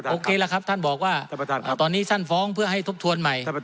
โอเคละครับท่านบอกว่าตอนนี้ท่านฟ้องเพื่อให้ทบทวนใหม่